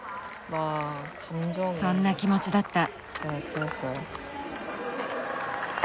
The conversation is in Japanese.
そんな気持ちだった。